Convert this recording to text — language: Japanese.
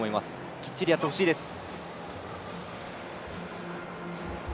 きっちりやってほしいです。